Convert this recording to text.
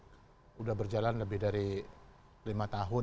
sudah berjalan lebih dari lima tahun